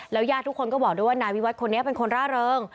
ญาติทุกคนก็บอกด้วยว่านายวิวัตรคนนี้เป็นคนร่าเริง